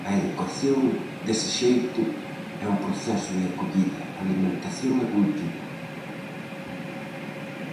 A educación, dese xeito, é un proceso de acollida, alimentación e cultivo.